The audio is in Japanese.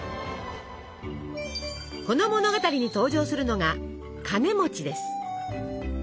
この物語に登場するのがカネです。